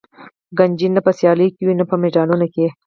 کنجي نه په سیالیو کې وي او نه په مډالونه کې.